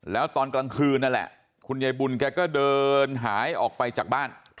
แล้วตอนกลางคืนนั่นแหละคุณยายบุญแกก็เดินหายออกไปจากบ้าน